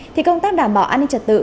thì công tác đảm bảo an ninh trật tự